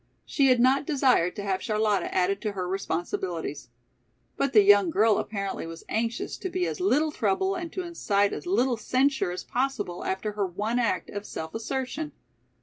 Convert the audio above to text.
She had not desired to have Charlotta added to her responsibilities. But the young girl apparently was anxious to be as little trouble and to incite as little censure as possible after her one act of self assertion.